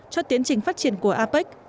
cho tiến trình phát triển của apec